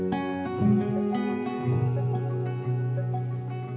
うん。